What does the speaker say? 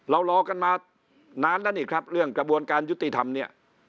รอกันมานานแล้วนี่ครับเรื่องกระบวนการยุติธรรมเนี่ย